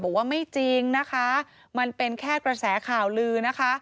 บอกว่าไม่จริงนะคะมันเป็นแค่กระแสข่าวลือนะคะ